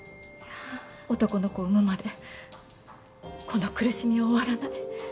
男の子を産むまでこの苦しみは終わらない。